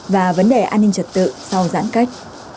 và vấn đề an ninh trật tự sau giãn cách